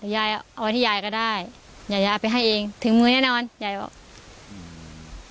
ยายเอาไว้ที่ยายก็ได้ยายยายเอาไปให้เองถึงมือแน่นอนยายบอกอืม